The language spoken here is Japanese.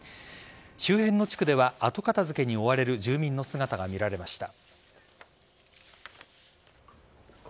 周辺の地区では後片付けに追われる住民の姿が見られました。